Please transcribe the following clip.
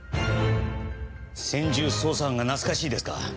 「専従捜査班が懐かしいですか」